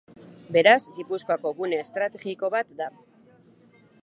Beraz, Gipuzkoako gune estrategiko bat da.